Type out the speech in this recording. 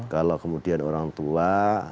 kalau kemudian orang tua